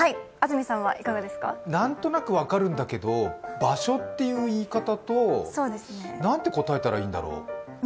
何となく分かるんだけど場所っていう言い方となんて答えたらいいんだろう。